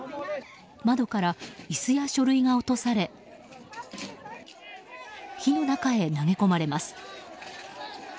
窓から椅子や書類が落とされ火の中へ投げ込まれます。